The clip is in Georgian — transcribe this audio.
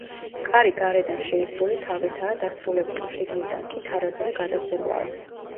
კარი გარედან შეისრული თაღითაა დასრულებული, შიგნიდან კი თარაზული გადახურვა აქვს.